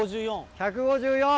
１５４。